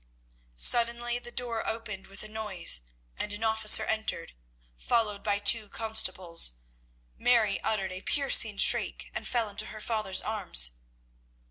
Suddenly the door opened with a noise, and an officer entered, followed by two constables. Mary uttered a piercing shriek, and fell into her father's arms.